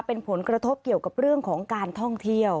เป็นผลกระทบเกี่ยวกับเรื่องของการท่องเที่ยว